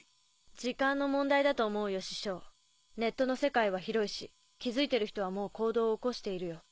時間の問題だと思うよ師匠ネットの世界は広いし気付いてる人はもう行動を起こしているよ。